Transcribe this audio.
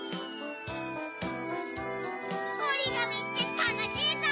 おりがみってたのしいゾウ！